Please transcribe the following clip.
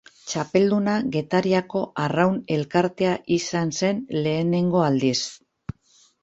Txapelduna Getariako Arraun Elkartea izan zen lehenengo aldiz.